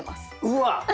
うわ！